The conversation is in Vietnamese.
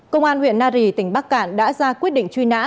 công an huyện na rì tỉnh bắc cạn đã ra quyết định truy nã